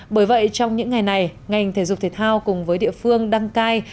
bởi vậy trong những ngày này ngành thể dục thể thao cùng với địa phương đăng cai